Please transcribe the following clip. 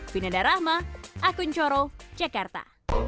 vinanda rahma akun coro jakarta